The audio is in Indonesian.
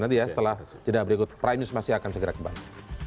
nanti ya setelah jeda berikut prime news masih akan segera kembali